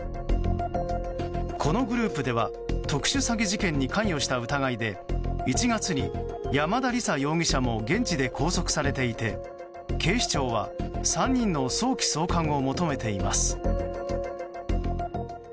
このグループでは特殊詐欺事件に関与した疑いで１月に山田李沙容疑者も現地で拘束されていて警視庁は３人の早期送還を求めています。